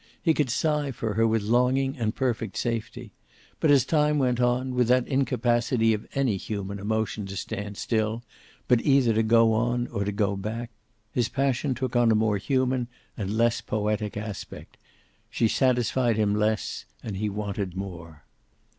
He could sigh for her with longing and perfect safety. But as time went on, with that incapacity of any human emotion to stand still, but either to go on or to go back, his passion took on a more human and less poetic aspect. She satisfied him less, and he wanted more.